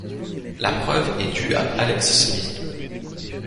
La preuve est due à Alex Smith.